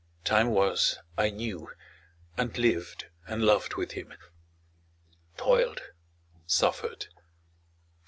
Time was I knew, and lived and loved with him; Toiled, suffered.